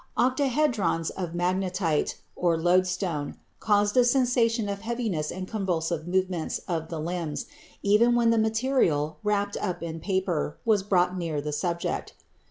Octahedrons of magnetite (loadstone) caused a sensation of heaviness and convulsive movements of the limbs, even when the material, wrapped up in paper, was brought near the subject.